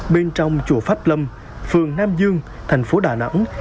bên trong chùa pháp lâm phường nam dương thành phố đà nẵng